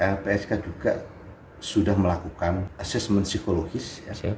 lpsk juga sudah melakukan asesmen psikologis